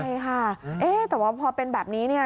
ใช่ค่ะแต่ว่าพอเป็นแบบนี้